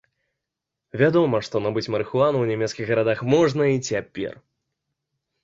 Вядома, што набыць марыхуану ў нямецкіх гарадах можна і цяпер.